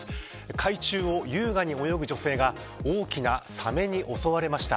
海中を優雅に泳ぐ女性が大きなサメに襲われました。